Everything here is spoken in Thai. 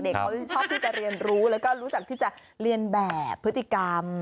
เขาจะชอบที่จะเรียนรู้แล้วก็รู้จักที่จะเรียนแบบพฤติกรรม